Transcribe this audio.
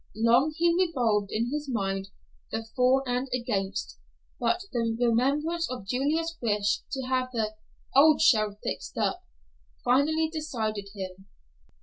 Long he revolved in his mind the for and against, but the remembrance of Julia's wish to have the "old shell fixed up," finally decided him.